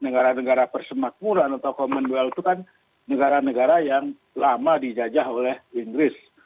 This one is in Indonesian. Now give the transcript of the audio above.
negara negara persemakmuran atau commonwealth itu kan negara negara yang lama dijajah oleh inggris